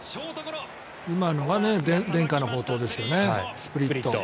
今のが伝家の宝刀ですねスプリット。